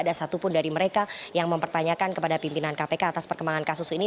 ada satupun dari mereka yang mempertanyakan kepada pimpinan kpk atas perkembangan kasus ini